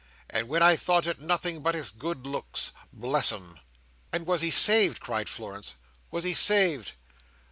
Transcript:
—and when I thought it nothing but his good looks, bless him!" "And was he saved!" cried Florence. "Was he saved!"